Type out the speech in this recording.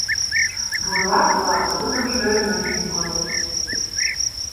Бурлак-влак: тудым шӧрын ончен кодыт.